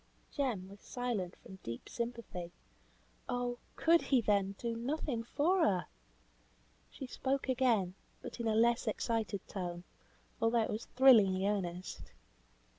Jem was silent from deep sympathy. Oh! could he, then, do nothing for her! She spoke again, but in a less excited tone, although it was thrillingly earnest.